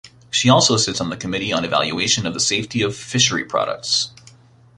She also sits on the Committee On Evaluation Of The Safety Of Fishery Products.